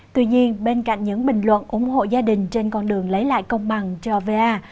tuy nhiên bên cạnh những bình luận ủng hộ gia đình trên con đường lấy lại công bằng cho va